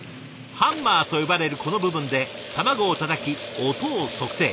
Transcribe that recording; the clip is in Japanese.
ハンマーと呼ばれるこの部分で卵をたたき音を測定。